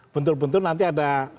bentuk bentuk nanti ada